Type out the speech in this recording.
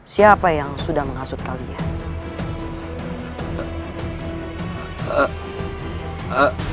siapa yang sudah menghasut kalian